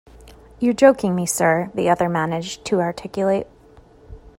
You're joking me, sir, the other managed to articulate.